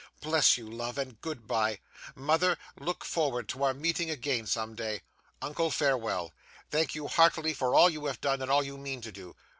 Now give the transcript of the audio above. Bless you, love, and goodbye! Mother, look forward to our meeting again someday! Uncle, farewell! Thank you heartily for all you have done and all you mean to do.